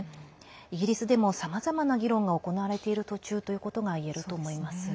イギリスでもさまざまな議論が行われている途中ということがいえると思います。